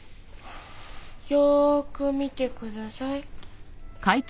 よーく見てください。